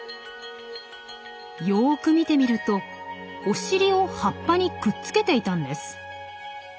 よく見てみるとお尻を葉っぱにくっつけていたんです。